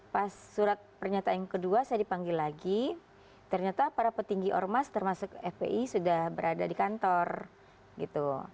pas surat pernyataan yang kedua saya dipanggil lagi ternyata para petinggi ormas termasuk fpi sudah berada di kantor gitu